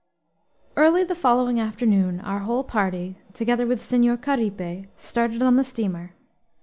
Early the following afternoon our whole party, together with Senhor Caripe, started on the steamer.